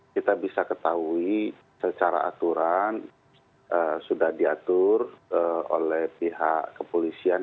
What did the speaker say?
kita bisa ketahui secara aturan sudah diatur oleh pihak kepolisian